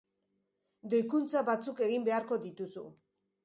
Doikuntza batzuk egin beharko dituzu.